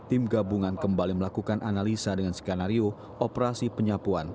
tim gabungan kembali melakukan analisa dengan skenario operasi penyapuan